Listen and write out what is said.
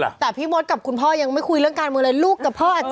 แต่พี่มดกับคุณพ่อยังไม่คุยเรื่องการเมืองเลยลูกกับพ่ออาจจะ